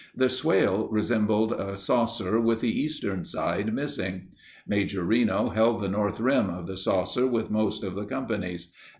The swale resembled a saucer with the eastern side missing. Major Reno held the north rim of the saucer with most of the companies.